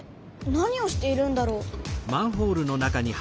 何をしているんだろう？